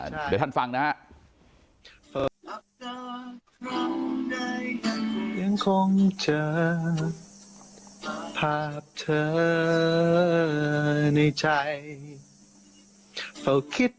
เดี๋ยวท่านฟังนะฮะ